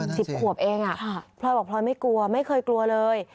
สิบขวบเองอ่ะค่ะพลอยบอกพลอยไม่กลัวไม่เคยกลัวเลย